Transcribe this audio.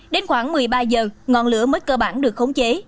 đến khoảng một mươi ba h ngọn lửa mới cơ bản được khống chế